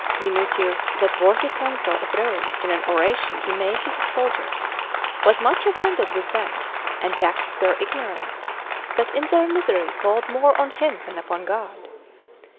Minutius that worthy consul of Rome in an oration he made to his soldiers, was much offended with them, and taxed their ignorance, that in their misery called more on him than upon God.